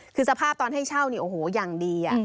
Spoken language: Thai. คือสภาพตอนให้เช่าเนี่ยโอ้โหอย่างดี